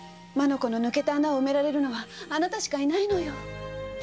マナコの抜けた穴を埋められるのはあなたしかいないのよ。